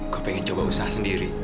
gue pengen coba usaha sendiri